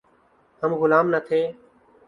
ہم غلام نہ تھے۔